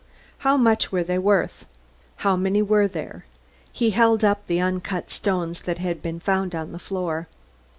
How much were they worth? How many were there?" He held up the uncut stones that had been found on the floor.